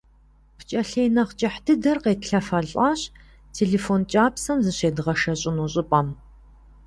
ПкӀэлъей нэхъ кӀыхь дыдэр къетлъэфэлӀащ телефон кӀапсэм зыщедгъэшэщӀыну щӀыпӀэм.